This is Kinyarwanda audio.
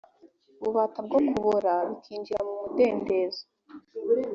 bubata bwo kubora bikinjira mu mudendezo